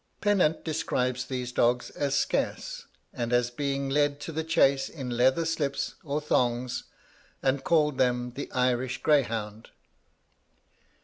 Pennant describes these dogs as scarce, and as being led to the chase in leather slips or thongs, and calls them 'the Irish greyhound.'